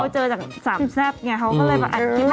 เจอจากสามแซ่บเค้าก็เลยไปอัดทิมมาผัก